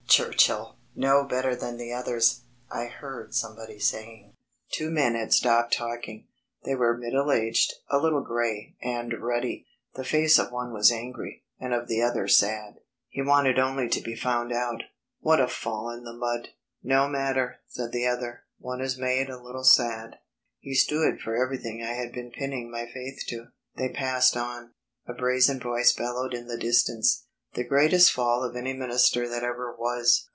"Churchill! No better than the others," I heard somebody saying. Two men had stopped talking. They were middle aged, a little gray, and ruddy. The face of one was angry, and of the other sad. "He wanted only to be found out. What a fall in the mud." "No matter," said the other, "one is made a little sad. He stood for everything I had been pinning my faith to." They passed on. A brazen voice bellowed in the distance. "The greatest fall of any minister that ever was."